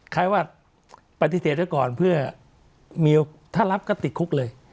คล้ายว่าปฏิเสธไว้ก่อนเพื่อมีถ้ารับก็ติดคุกเลย